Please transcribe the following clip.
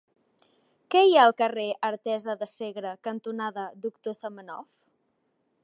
Què hi ha al carrer Artesa de Segre cantonada Doctor Zamenhof?